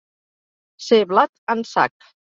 Ser blat en sac.